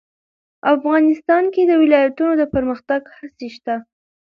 افغانستان کې د ولایتونو د پرمختګ هڅې شته.